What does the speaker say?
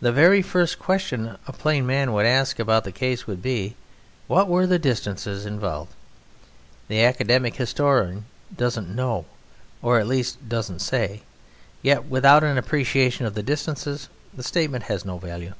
The very first question a plain man would ask about the case would be, "What were the distances involved?" The academic historian doesn't know, or, at least, doesn't say; yet without an appreciation of the distances the statement has no value.